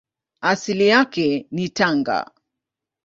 Asili yake ni Tanga.